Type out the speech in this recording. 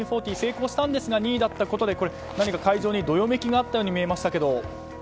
成功したんですが２位だったことで会場にどよめきがあったように見えましたけど。